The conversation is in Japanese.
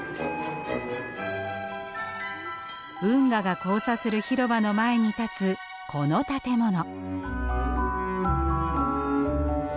運河が交差する広場の前に立つこの建物。